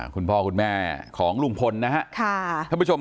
คุณพ่อคุณแม่ของลุงพลนะฮะ